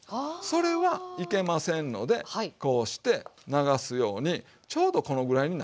それはいけませんのでこうして流すようにちょうどこのぐらいになったら。